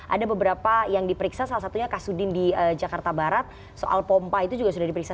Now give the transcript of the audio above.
ada beberapa yang diperiksa salah satunya kasudin di jakarta barat soal pompa itu juga sudah diperiksa